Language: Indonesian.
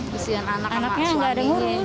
kasihan anak sama suami